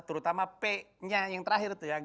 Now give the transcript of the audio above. terutama p nya yang terakhir itu ya